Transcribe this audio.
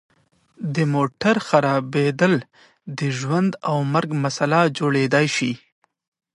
د موټر خرابیدل د ژوند او مرګ مسله جوړیدای شي